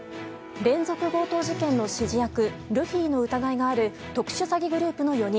連続強盗事件の指示役ルフィの疑いがある特殊詐欺グループの４人。